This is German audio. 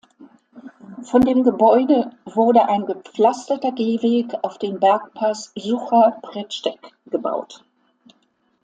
Von dem Gebäude wurde ein gepflasterter Gehweg auf den Bergpass Sucha Przełęcz gebaut.